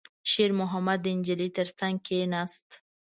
شېرمحمد د نجلۍ تر څنګ کېناست.